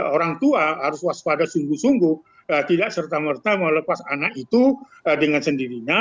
orang tua harus waspada sungguh sungguh tidak serta merta melepas anak itu dengan sendirinya